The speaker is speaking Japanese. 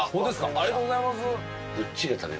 ありがとうございます。